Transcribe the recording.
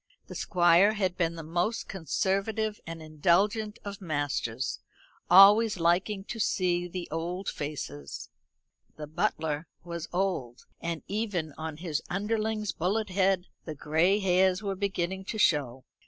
The Squire had been the most conservative and indulgent of masters; always liking to see the old faces. The butler was old, and even on his underling's bullet head the gray hairs were beginning to show. Mrs.